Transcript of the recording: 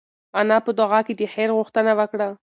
انا په دعا کې د خیر غوښتنه وکړه.